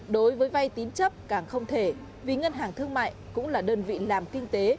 đối với vay tín chấp càng không thể vì ngân hàng thương mại cũng là đơn vị làm kinh tế